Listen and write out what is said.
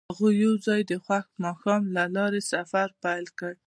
هغوی یوځای د خوښ ماښام له لارې سفر پیل کړ.